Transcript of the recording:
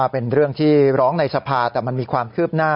เป็นเรื่องที่ร้องในสภาแต่มันมีความคืบหน้า